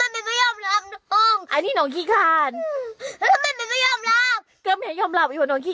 แม่ไม่รู้แบบนี้แม่ต้องยอมหลับอยู่แบบนี้